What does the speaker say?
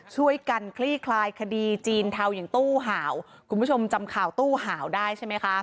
คลี่คลายคดีจีนเทาอย่างตู้ห่าวคุณผู้ชมจำข่าวตู้ห่าวได้ใช่ไหมคะ